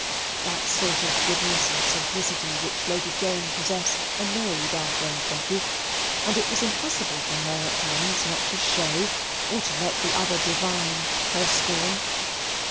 That sort of goodness and simplicity which Lady Jane possessed annoyed our friend Becky, and it was impossible for her at times not to show, or to let the other divine, her scorn.